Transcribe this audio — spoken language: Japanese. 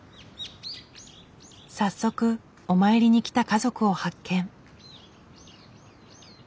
早速お参りに来た家族を発見。